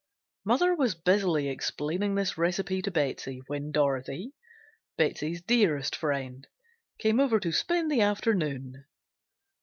Mother was busily explaining this recipe to Betsey when Dorothy, Betsey's dearest friend, came over to spend the afternoon.